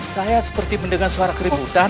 saya seperti mendengar suara keributan